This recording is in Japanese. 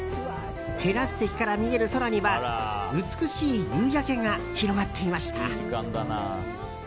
テラス席から見える空には美しい夕焼けが広がっていました。